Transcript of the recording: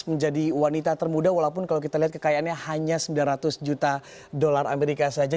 menjadi wanita termuda walaupun kalau kita lihat kekayaannya hanya sembilan ratus juta dolar amerika saja